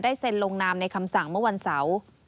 เซ็นลงนามในคำสั่งเมื่อวันเสาร์